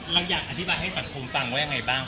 เราอยากอธิบายให้สักทมฟังว่าอย่างไรบ้างค่ะ